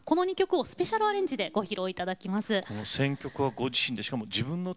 スペシャルアレンジでご披露いただきます。